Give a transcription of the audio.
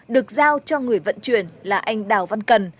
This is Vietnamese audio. được giao cho người vận chuyển là anh đào văn cần